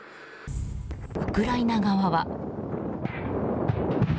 ウクライナ側は。